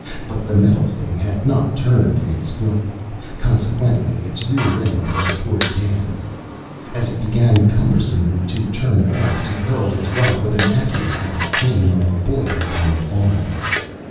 But the metal thing had not turned in its flight: consequently its rear end was toward Dan. As it began cumberously to turn about, he hurled his rock with an accuracy that came of a boyhood on the farm.